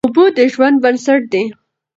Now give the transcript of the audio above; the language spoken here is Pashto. اوبه د ژوند بنسټ دی.